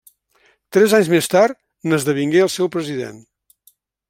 Tres anys més tard, n'esdevingué el seu president.